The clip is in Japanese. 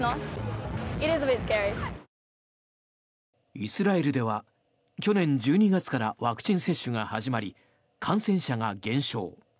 イスラエルでは去年１２月からワクチン接種が始まり感染者が減少。